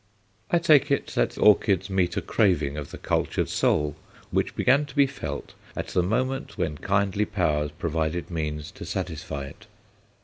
I take it that orchids meet a craving of the cultured soul which began to be felt at the moment when kindly powers provided means to satisfy it.